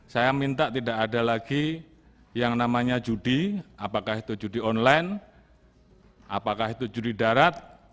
saya minta tidak ada lagi yang namanya judi apakah itu judi online apakah itu judi darat